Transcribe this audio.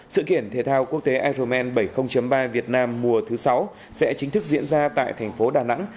sự kiện thể thao quốc tế ironman bảy mươi ba việt nam mùa thứ sáu sẽ chính thức diễn ra tại thành phố đà nẵng